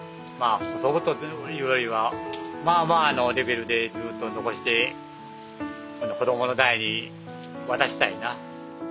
あ細々というよりはまあまあのレベルでずっと残して子供の代に渡したいな。